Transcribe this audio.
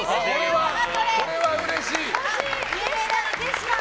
これは、うれしい！